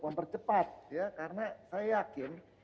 mempercepat karena saya yakin